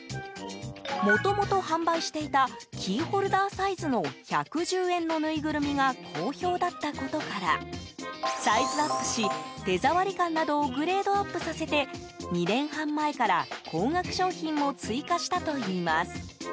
もともと販売していたキーホルダーサイズの１１０円のぬいぐるみが好評だったことからサイズアップし、手触り感などをグレードアップさせて２年半前から高額商品も追加したといいます。